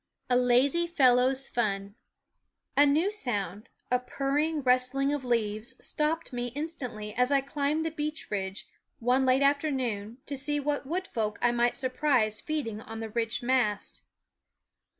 235 1/nkWunk 2 3 6 NEW sound, a purring rustle of leaves, ) stopped me instantly as I climbed the beech ridge, one late afternoon, to see what wood folk I might surprise feed ing on the rich mast.